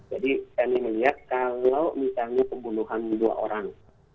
jadi kami melihat kalau misalnya pembunuhan dua orang